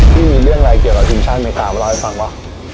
พี่มีเรื่องอะไรเกี่ยวกับทีมชาติอเมริกามาเล่าให้ฟังว่า